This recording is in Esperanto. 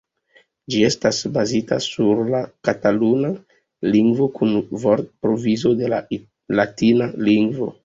Ĝi estas bazita sur la kataluna lingvo kun vortprovizo de la latina lingvo.